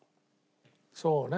そうね。